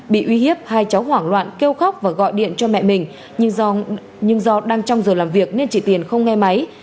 bị uy hiếp hai cháu hoảng loạn kêu khóc và gọi điện cho mẹ mình nhưng do đang trong giờ làm việc nên chị tiền không nghe máy